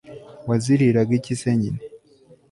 waziriraga iki se nyine